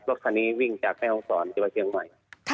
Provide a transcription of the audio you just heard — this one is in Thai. รถคันนี้วิ่งจากแม่ห้องศรจะมาเชียงใหม่